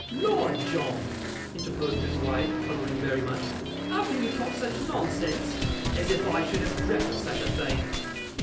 'Lor, John!' interposed his pretty wife, colouring very much. 'How can you talk such nonsense? As if I should have dreamt of such a thing!